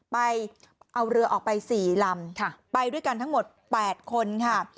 ไปเอาเรือออกไป๔ลำไปด้วยกันทั้งหมด๘คนค่ะ